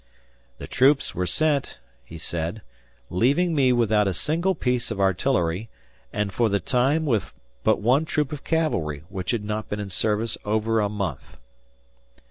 "The troops were sent," he said, "leaving me without a single piece of artillery, and for the time with but one troop of cavalry, which had not been in service over a month."